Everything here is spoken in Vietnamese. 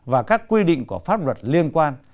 và các quy định của pháp luật liên quan